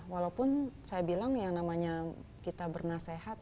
walaupun saya bilang yang namanya kita bernasehat